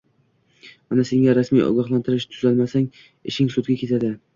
mana senga rasmiy ogohlantirish, tuzalmasang, ishing sudga ketadi».